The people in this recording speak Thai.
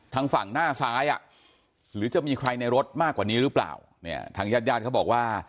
ทางฝั่งหน้าซ้ายอ่ะหรือจะมีใครในรถมากกว่านี้หรือเปล่าเนี่ยทางญาติญาติเขาบอกว่า